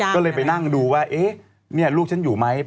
ก็เลยไปนั่งดูว่าเอ๊ะนี่ลูกฉันอยู่ไหม